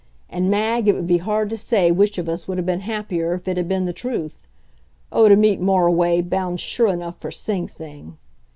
And, Mag, it would be hard to say which of us would have been happier if it had been the truth. Oh, to meet Moriway, bound sure enough for Sing Sing!